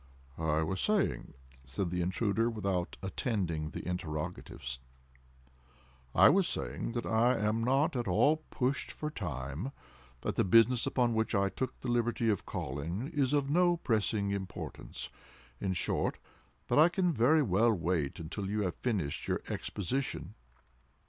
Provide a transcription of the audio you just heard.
"I was saying," said the intruder, without attending to the interrogatives,—"I was saying that I am not at all pushed for time—that the business upon which I took the liberty of calling, is of no pressing importance—in short, that I can very well wait until you have finished your Exposition."